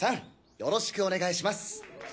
よろしくお願いします。